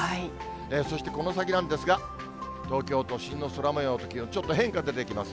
そしてこの先なんですが、東京都心の空もようと気温、ちょっと変化出てきます。